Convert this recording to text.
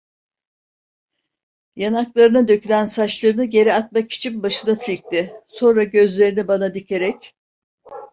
Yanaklarına dökülen saçlarını geri atmak için başını silkti, sonra gözlerini bana dikerek.